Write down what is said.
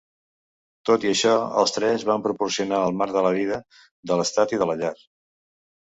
Tot i això, els tres van proporcionar el marc de la vida de l'estat i de la llar.